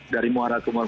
dari muara ke muara